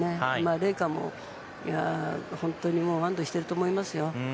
麗華も本当に安堵していると思いますよ。